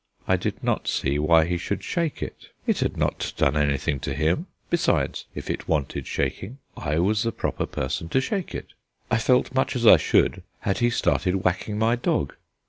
I did not see why he should shake it; it had not done anything to him. Besides, if it wanted shaking, I was the proper person to shake it. I felt much as I should had he started whacking my dog.